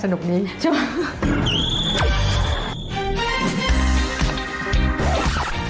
สนุกนี้ช่วง